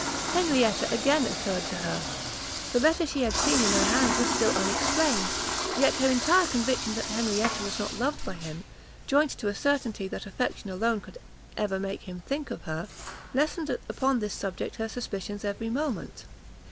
Henrietta again occurred to her; the letter she had seen in her hands was still unexplained; yet her entire conviction that Henrietta was not loved by him, joined to a certainty that affection alone could ever make him think of her, lessened upon this subject her suspicions every moment.